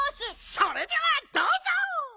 それではどうぞ！